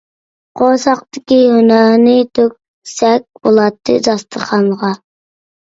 قورساقتىكى ھۈنەرنى تۆكسەك بولاتتى داستىخانغا.